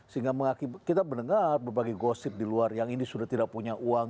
sehingga kita mendengar berbagai gosip di luar yang ini sudah tidak punya uang